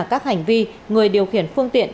các hành vi người điều khiển phương tiện